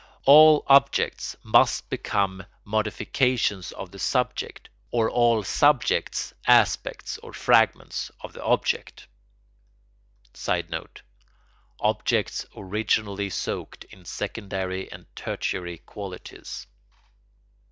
All objects must become modifications of the subject or all subjects aspects or fragments of the object. [Sidenote: Objects originally soaked in secondary and tertiary qualities.